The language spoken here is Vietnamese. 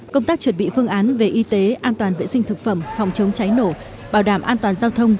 công tác chuẩn bị phương án về y tế an toàn vệ sinh thực phẩm phòng chống cháy nổ bảo đảm an toàn giao thông